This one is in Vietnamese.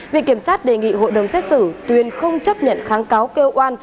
viện kiểm sát đề nghị hội đồng xét xử tuyên không chấp nhận kháng cáo cơ quan